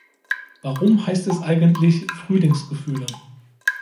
Warum heißt es eigentlich Frühlingsgefühle?